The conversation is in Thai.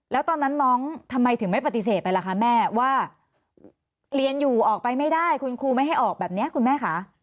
แล้วตอนนั้นน้องทำไมถึงไม่ปฏิเสธไปล่ะคะแม่ว่าเรียนอยู่ออกไปไม่ได้คุณครูไม่ให้ออกแบบนี้คุณแม่คะ